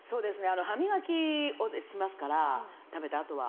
歯磨きをしますから食べたあとは。